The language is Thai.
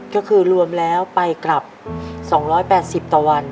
ก็คือรวมแล้วไปกลับ๒๘๐ต่อวัน